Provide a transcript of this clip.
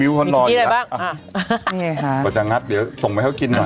มีคุณกี้อะไรบ้างอ่านี่ค่ะก็จะงัดเดี๋ยวส่งไว้เข้ากินหน่อย